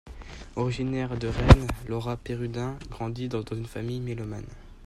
Originaire de Rennes, Laura Perrudin grandit dans une famille mélomane.